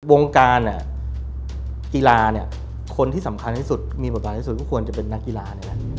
บวงการกีฬาคนที่สำคัญที่สุดมีประบาทที่สุดก็ควรจะเป็นนักกีฬา